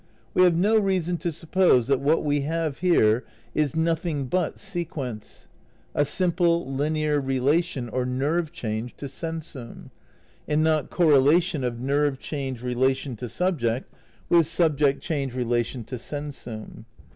We have' no reason to suppose that what we have here is nothing but sequence, a sim ple linear relation or nerve change to sensum, and not correlation of nerve change relation to subject with subject change relation to sensttw.